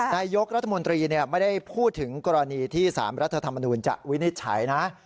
นายกรัฐมนตรีไม่ได้พูดถึงกรณีที่๓รัฐธรรมนูญจะวินิจฉัยนะ